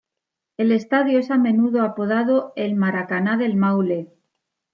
El estadio es a menudo, apodado "el Maracaná del Maule".